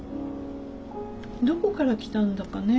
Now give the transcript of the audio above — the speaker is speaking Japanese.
どこから来たんだかね